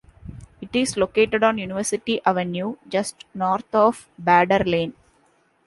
It is located on University Avenue, just north of Bader Lane.